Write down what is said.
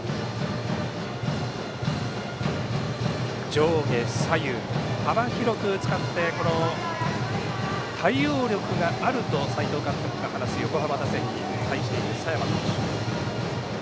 上下左右、幅広く使ってこの対応力があると斎藤監督が話す横浜打線に対しています佐山投手。